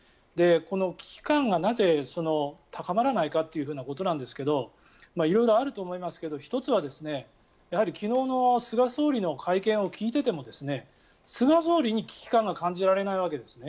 危機感がなぜ高まらないかということなんですけど色々あると思いますが１つは、昨日の菅総理の会見を聞いていても菅総理に危機感が感じられないわけですね。